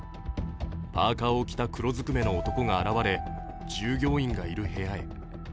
パーカーを着た黒ずくめの男が現れ、従業員がいる部屋へ。